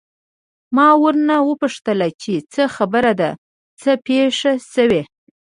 ما ورنه وپوښتل چې څه خبره ده، څه پېښ شوي؟